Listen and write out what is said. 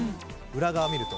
裏側見ると。